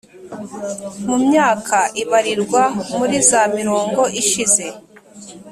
Mu myaka ibarirwa muri za mirongo ishize